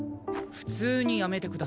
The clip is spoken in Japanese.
普通にやめてください。